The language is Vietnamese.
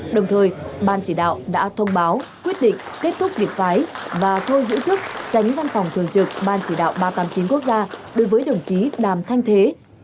đồng thời ban chỉ đạo đã thông báo quyết định kết thúc việc tái và thôi giữ chức tránh văn phòng thường trực ban chỉ đạo ba trăm tám mươi chín quốc gia đối với đồng chí đàm thanh thế